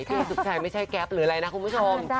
พี่สุขชัยไม่ใช่แก๊ปหรืออะไรนะคุณผู้ชม